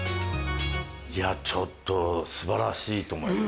いやちょっと素晴らしいと思います。